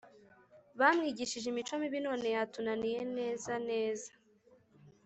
bamwigishije imico mibi none yatunaniye neza neza